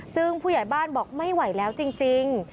ซึ่งผู้ใหญ่บ้านบอกไม่ไหวแล้วจริง